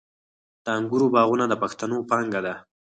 د انګورو باغونه د پښتنو پانګه ده.